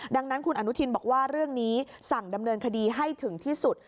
ดังนั้นคุณอนุทินบอกว่าเรื่องนี้สั่งดำเนินคดีให้ถึงที่สุด